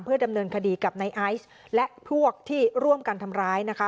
ดำเนินคดีกับในไอซ์และพวกที่ร่วมกันทำร้ายนะคะ